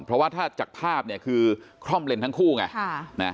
เพราะว่าถ้าจากภาพเนี่ยคือคล่อมเลนทั้งคู่ไง